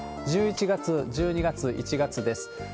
１１月、１２月、１月です。